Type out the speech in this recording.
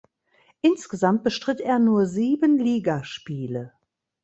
Insgesamt bestritt er nur sieben Ligaspiele.